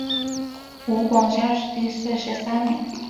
湖广乡试第四十三名。